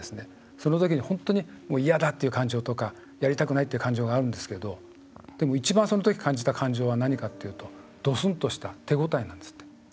その時に本当に嫌だっていう感情とかやりたくないっていう感情があるんですけどでも、一番その時、感じた感情は何かっていうとドスンとした手応えなんですって。